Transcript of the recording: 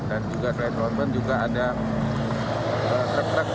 dan juga selain tronton juga ada truk truk tni